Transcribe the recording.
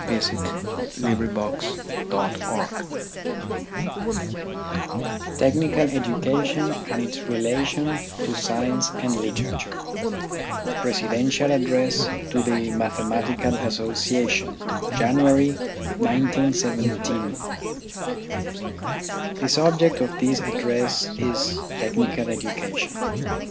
CHAPTER II TECHNICAL EDUCATION AND ITS RELATION TO SCIENCE AND LITERATURE (Presidential Address to the Mathematical Association, January, 1917) The subject of this address is Technical Edu cation.